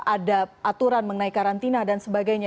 ada aturan mengenai karantina dan sebagainya